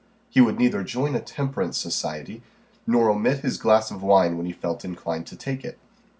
He would neither join a temperance society, nor omit his glass of wine when he felt inclined to take it.